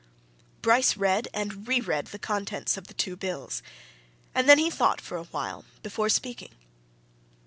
Bryce read and re read the contents of the two bills. And then he thought for awhile before speaking.